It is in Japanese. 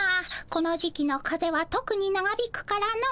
この時期の風邪はとくに長引くからの」。